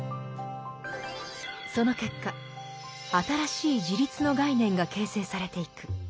その結果新しい自立の概念が形成されていく。